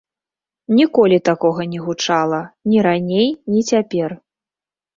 Ніколі такога не гучала, ні раней, ні цяпер.